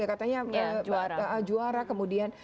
katanya juara kemudian